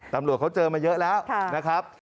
ตำรวจเขาเจอมาเยอะแล้วนะครับ